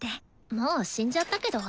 もう死んじゃったけど。